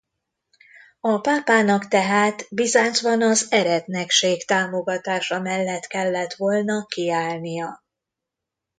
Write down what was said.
A pápának tehát Bizáncban az eretnekség támogatása mellett kellett volna kiállnia.